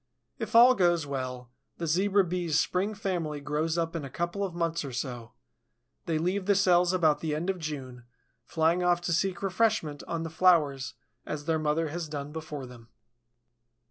If all goes well, the Zebra Bee's spring family grows up in a couple of months or so; they leave the cells about the end of June, flying off to seek refreshment on the flowers as their mother has done before them.